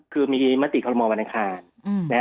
คือมีมัตติคลมมวันอันคาร